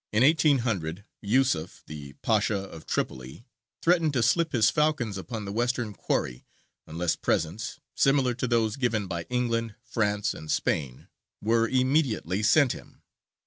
In 1800, Yūsuf, the Pasha of Tripoli, threatened to slip his falcons upon the western quarry, unless presents, similar to those given by England, France, and Spain, were immediately sent him.